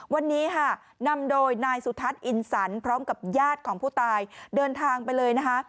วันนี้ค่ะนำโดยนายสุทัศน์อินสันพร้อมกับญาติของผู้ตายเดินทางไปเลยนะคะ